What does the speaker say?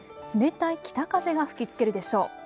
冷たい北風が吹きつけるでしょう。